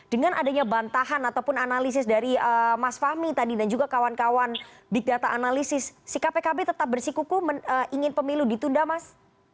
dengan adanya bantahan ataupun analisis dari mas fahmi tadi dan juga kawan kawan big data analisis sikap pkb tetap bersikuku ingin pemilu ditunda mas